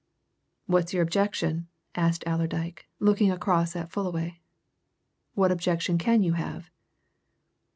"What's your objection?" asked Allerdyke, looking across at Fullaway. "What objection can you have?"